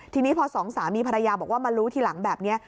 ทีนี้พอสองสามีภรรยาบอกว่ามารู้ทีหลังแบบนี้